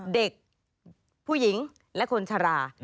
เด็กผู้หญิงและคนชรา